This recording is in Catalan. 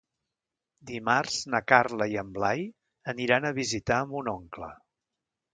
Dimarts na Carla i en Blai aniran a visitar mon oncle.